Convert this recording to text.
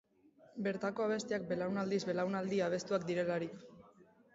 Bertako abestiak belaunaldiz-belaunaldi abestuak direlarik.